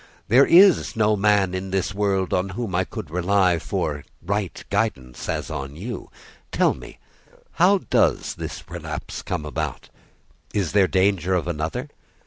There is no man in this world on whom I could so rely for right guidance, as on you. Tell me, how does this relapse come about? Is there danger of another?